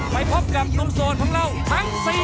ไปพบกับตรงโซนของเราทั้ง๔คนเลย